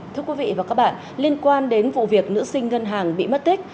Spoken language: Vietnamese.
thưa quý vị và các bạn liên quan đến vụ việc nữ sinh ngân hàng bị mất tích